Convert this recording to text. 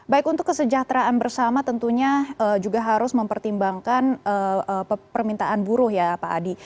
baik untuk kesejahteraan bersama tentunya juga harus mempertimbangkan permintaan buruh ya pak adi